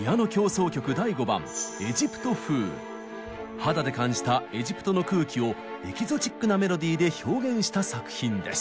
肌で感じたエジプトの空気をエキゾチックなメロディーで表現した作品です。